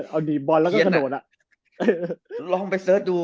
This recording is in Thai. เอาหนีบบอลแล้วก็กระโดดอะ